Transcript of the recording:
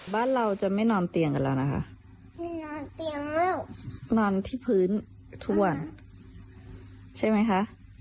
บ้านเราจะไม่นอนเตียงหรอนะคะ